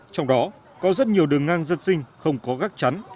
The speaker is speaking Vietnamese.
trong đó có rất nhiều đường ngang dân sinh không có gác chắn